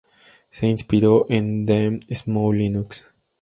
Se inspiró en Damn Small Linux.